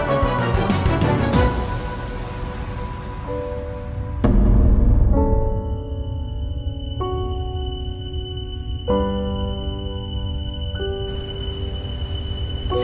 masalah papa kenapa ya